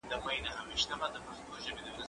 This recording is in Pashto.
که وخت وي، مرسته کوم؟